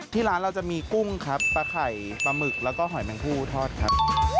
ที่ร้านเราจะมีกุ้งครับปลาไข่ปลาหมึกแล้วก็หอยแมงพูทอดครับ